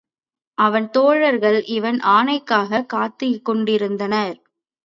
அவன் தோழர்கள் இவன் ஆணைக்காகக் காத்துக் கொண்டிருந்தனர்.